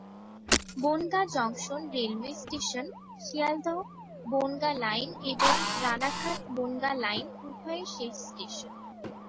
Bongaon junction railway station Sealdah-Bangaon line এবং Ranaghat-Bongaon line উভয়ের শেষ স্টেশন।